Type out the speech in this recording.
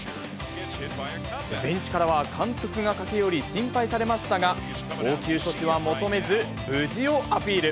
ベンチからは監督が駆け寄り、心配されましたが、応急処置は求めず無事をアピール。